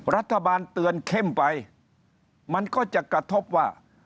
รัฐบาลเตือนเข้มไปมันก็จะกระทบว่า